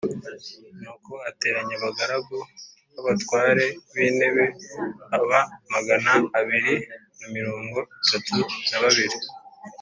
Nuko ateranya abagaragu b’abatware b’intebe baba magana abiri na mirongo itatu na babiri